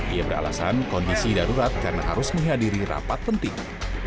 ia beralasan kondisi darurat karena harus menghadiri rapat penting